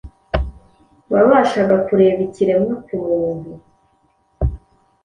Wabashaga kureba ikiremwa kumuntu